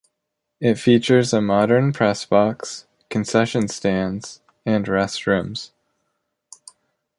It features a modern press box, concession stands and restrooms.